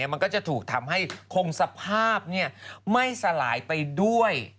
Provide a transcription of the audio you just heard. มันก็จะถูกทำให้คงสภาพไม่สลายไปด้วย